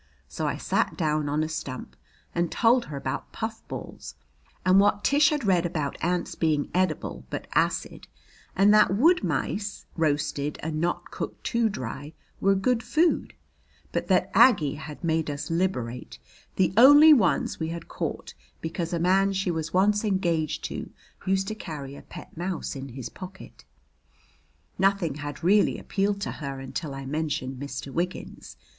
So I sat down on a stump and told her about puffballs, and what Tish had read about ants being edible but acid, and that wood mice, roasted and not cooked too dry, were good food, but that Aggie had made us liberate the only ones we had caught, because a man she was once engaged to used to carry a pet mouse in his pocket. Nothing had really appealed to her until I mentioned Mr. Wiggins.